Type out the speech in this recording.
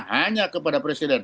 hanya kepada presiden